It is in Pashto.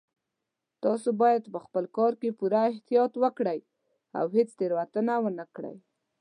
تاسو باید په خپل کار کې پوره احتیاط وکړئ او هیڅ تېروتنه ونه کړئ